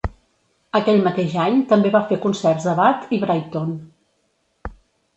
Aquell mateix any també va fer concerts a Bath i Brighton.